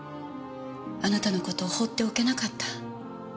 あなたの事放っておけなかった。